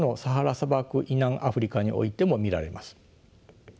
砂漠以南アフリカにおいても見られます。